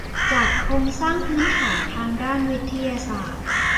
จากโครงสร้างพื้นฐานทางด้านวิทยาศาสตร์